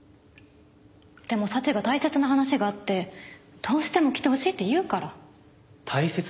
でも早智が大切な話があってどうしても来てほしいって言うから。